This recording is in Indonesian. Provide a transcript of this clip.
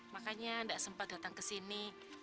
makanya tidak sempat datang ke sini